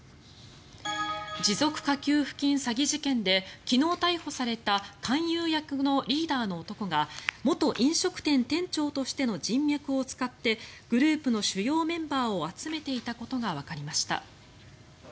持続化給付金詐欺事件で昨日逮捕された勧誘役のリーダーの男が元飲食店店長としての人脈を使ってグループの主要メンバーを集めていたことがわかりました。